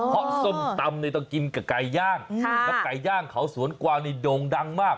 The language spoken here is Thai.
เพราะส้มตำเนี่ยต้องกินกับไก่ย่างแล้วไก่ย่างเขาสวนกวางนี่โด่งดังมาก